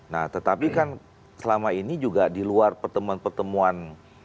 nah tetapi kan selama ini juga di luar pertemuan pertemuan